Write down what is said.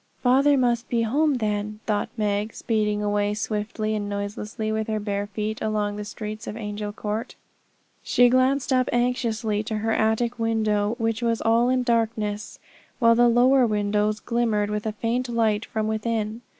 'Father must be come home, then,' thought Meg, speeding away swiftly and noiselessly with her bare feet along the streets to Angel Court. She glanced up anxiously to her attic window, which was all in darkness, while the lower windows glimmered with a faint light from within.